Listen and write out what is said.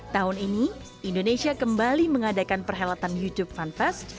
tahun ini indonesia kembali mengadakan perhelatan youtube fan fest